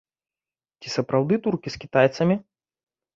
Ці сапраўды туркі з кітайцамі?